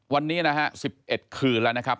วันนี้นะฮะ๑๑คืนแล้วนะครับ